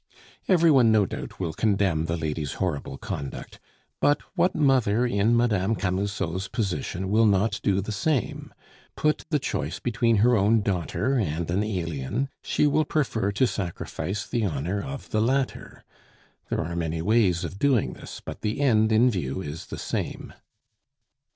Every one, no doubt, will condemn the lady's horrible conduct; but what mother in Mme. Camusot's position will not do the same? Put the choice between her own daughter and an alien, she will prefer to sacrifice the honor of the latter. There are many ways of doing this, but the end in view is the same.